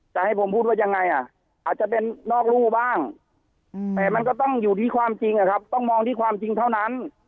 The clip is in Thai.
จะให้ผมพูดว่ายังไงอ่ะอาจจะเป็นนอกรูบ้างแต่มันก็ต้องอยู่ที่ความจริงอะครับต้องมองที่ความจริงเท่านั้น